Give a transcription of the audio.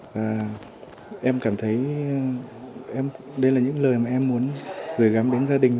và em cảm thấy đây là những lời mà em muốn gửi gắm đến gia đình